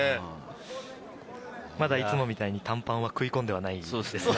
まだ、いつもみたいに短パンが食い込んではないですね。